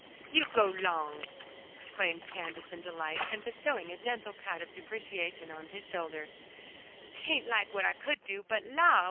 "You go 'long!" exclaimed Candace, in delight, and bestowing a gentle pat of deprecation on his shoulder, "'tain't like what I could do; but la!